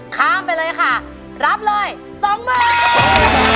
ข้ามไปเลยค่ะรับเลย๒มือ